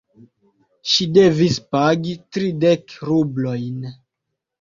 Ŝi devis pagi tridek rublojn.